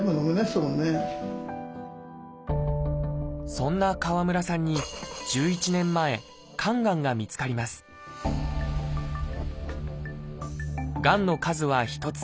そんな川村さんに１１年前肝がんが見つかりますがんの数は１つ。